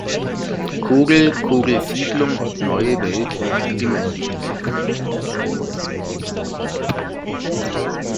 Kogel, Kogel Siedlung und Neue Welt liegen im Gemeindegebiet.